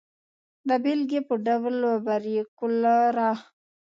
د بېلګې په ډول وبریو کولرا.